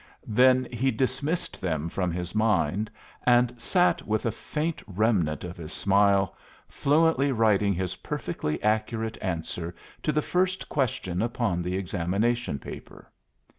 Then he dismissed them from his mind, and sat with a faint remnant of his smile, fluently writing his perfectly accurate answer to the first question upon the examination paper.